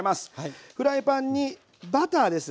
フライパンにバターです。